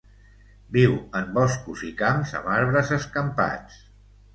Viu en boscos i camps amb arbres escampats.